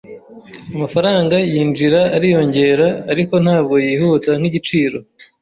Amafaranga yinjira ariyongera, ariko ntabwo yihuta nkigiciro.